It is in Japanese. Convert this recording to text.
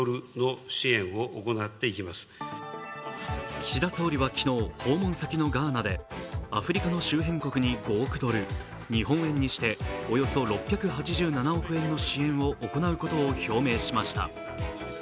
岸田総理は昨日、訪問先のガーナでアフリカの周辺国に５億ドル、日本円にしておよそ６８７億円の支援を行うことを表明しました。